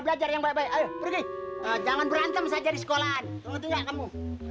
belajar yang baik baik ayo pergi jangan berantem saja di sekolah kamu